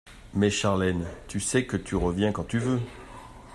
Mais Charlène, tu sais que tu reviens quand tu veux!